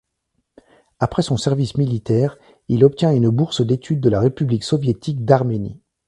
Après son service militaire, il obtient une bourse d’études de la République soviétique d’Arménie.